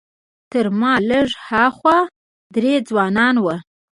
تر ما لږ ها خوا درې ځوانان وو.